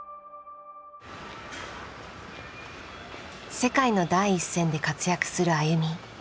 世界の第一線で活躍するＡＹＵＭＩ。